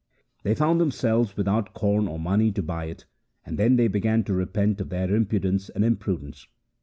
They found themselves without corn or money to buy it, and then they began to repent of their impudence and imprudence.